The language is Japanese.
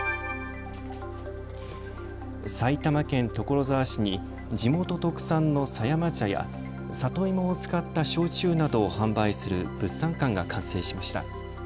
埼玉県所沢市に地元特産の狭山茶や里芋を使った焼酎などを販売する物産館が完成しました。